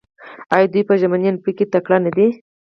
آیا دوی په ژمني المپیک کې تکړه نه دي؟